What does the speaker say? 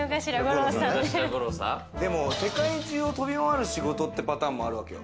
でも世界中を飛び回る仕事というパターンもあるわけよ。